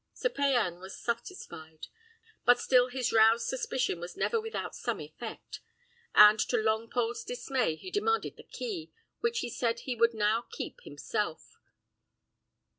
Sir Payan was satisfied, but still his roused suspicion was never without some effect; and to Longpole's dismay he demanded the key, which he said he would now keep himself.